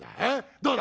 どうだ？